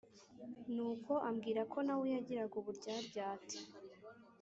Nuko ambwira ko na we yagiraga uburyaryate